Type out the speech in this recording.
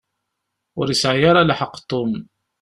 Ur yesɛi ara lḥeqq Tom.